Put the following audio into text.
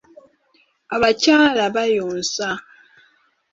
Abakyala bayonsa.